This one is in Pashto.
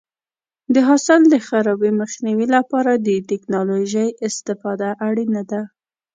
د حاصل د خرابي مخنیوي لپاره د ټکنالوژۍ استفاده اړینه ده.